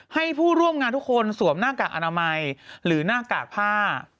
ให้ผู้ร่วมงานทุกคนสวมหน้ากากอนามัยหรือหน้ากากผ้า